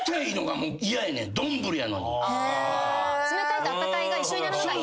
冷たいとあったかいが一緒になるのが嫌。